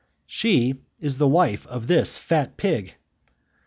"She is the wife of this fat pig."